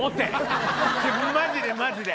マジでマジで！